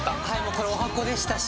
これおはこでしたし。